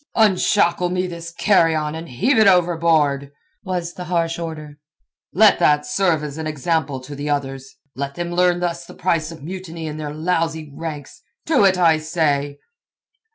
"Unshackle me this carrion, and heave it overboard," was the harsh order. "Let that serve as an example to the others. Let them learn thus the price of mutiny in their lousy ranks. To it, I say."